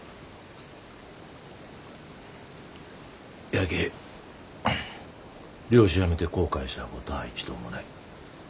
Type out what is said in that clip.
やけぇ漁師辞めて後悔した事は一度もない。